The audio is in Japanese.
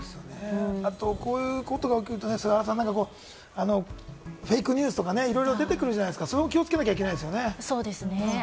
あと、こういうことが起きると菅原さん、フェイクニュースとかいろいろ出てくるじゃないですか、それも気をつけなきゃいけないですね。